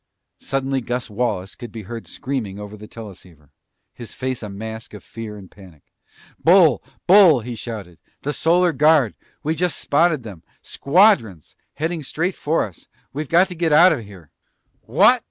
Suddenly Gus Wallace could be heard screaming over the teleceiver, his face a mask of fear and panic. "Bull! Bull!" he shouted. "The Solar Guard! We just spotted them! Squadrons! Heading straight for us! We've got to get out of here!" "What?"